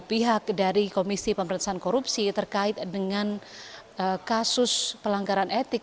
pihak dari komisi pemerintahan korupsi terkait dengan kasus pelanggaran etik